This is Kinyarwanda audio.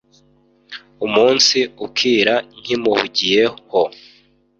umunsi ukira nkimuhugiye ho